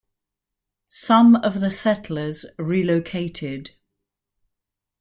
Some of the settlers relocated.